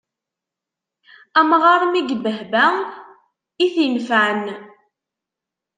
Amɣar mi ibbehba, i t-inefɛen.